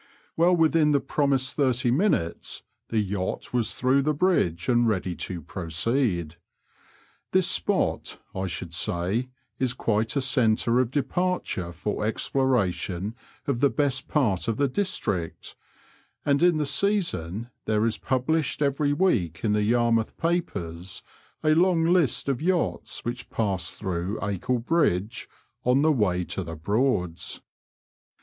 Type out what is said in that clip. Well within the promised thirty minutes the yacht was through the bridge and ready to proceed. This spot, I should say, is quite a centre of departure for exploration of the best part of the district, and in the season there is published every week in the Yarmouth papers a long list of yachts which pass through Acle Bridge *' on the way to the Broads."